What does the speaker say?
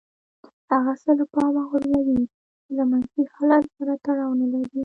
هغه څه له پامه غورځوي چې له منفي حالت سره تړاو نه لري.